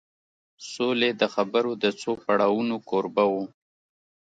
سولې د خبرو د څو پړاوونو کوربه و